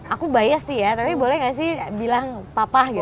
aku bias sih ya tapi boleh gak sih bilang papa gitu